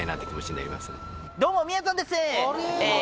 どうもみやぞんですえ